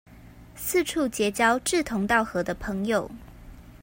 四處結交志同道合的朋友